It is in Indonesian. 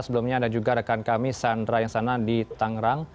sebelumnya ada juga rekan kami sandra yang sana di tangerang